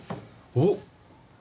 おっ！